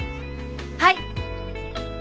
はい。